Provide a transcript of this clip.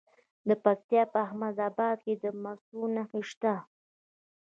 د پکتیا په احمد اباد کې د مسو نښې شته.